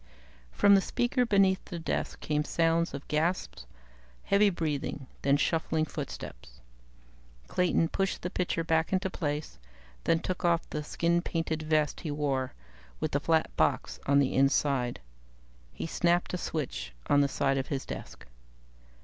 "_ From the speaker beneath the desk came sounds of gasps, heavy breathing, then shuffling footsteps. Clayton pushed the picture back into place, then took off the skin painted vest he wore, with the flat box on its inside. He snapped a switch on the side of his desk.